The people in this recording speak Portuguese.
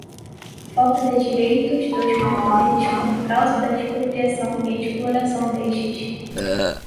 falta de direitos dos camponeses como causa da expropriação e exploração destes